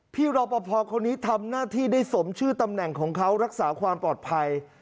รอปภคนนี้ทำหน้าที่ได้สมชื่อตำแหน่งของเขารักษาความปลอดภัย